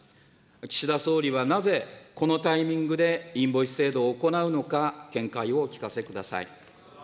岸田総理はなぜ、このタイミングでインボイス制度を行うのか、見解をお聞かせください。